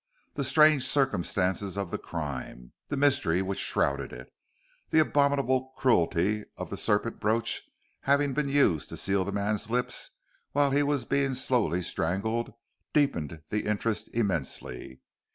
The strange circumstances of the crime, the mystery which shrouded it, the abominable cruelty of the serpent brooch having been used to seal the man's lips while he was being slowly strangled, deepened the interest immensely.